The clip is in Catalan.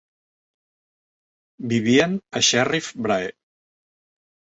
Vivien a Sherrif Brae.